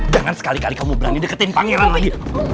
jangan sekali kali kamu berani deketin pangeran lagi